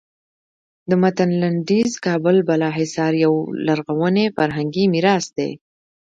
د متن لنډیز کابل بالا حصار یو لرغونی فرهنګي میراث دی.